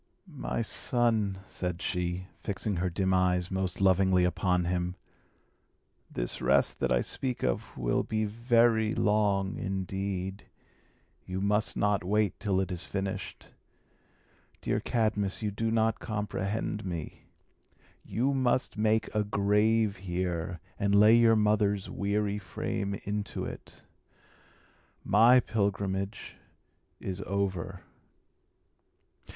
"My son," said she, fixing her dim eyes most lovingly upon him, "this rest that I speak of will be very long indeed! You must not wait till it is finished. Dear Cadmus, you do not comprehend me. You must make a grave here, and lay your mother's weary frame into it. My pilgrimage is over."